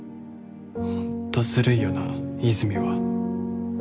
ホントズルいよな和泉は